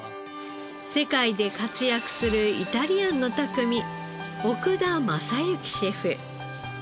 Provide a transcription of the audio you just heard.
世界で活躍するイタリアンの匠奥田政行シェフ。